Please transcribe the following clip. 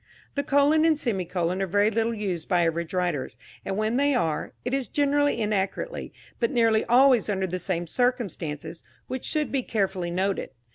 The colon and semicolon are very little used by average writers, and when they are, it is generally inaccurately, but nearly always under the same circumstances, which should be carefully noted.